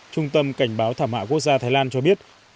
trung tâm cảnh báo thảm họa quốc gia thái lan cho biết